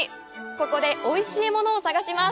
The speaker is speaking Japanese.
ここでおいしいものを探します。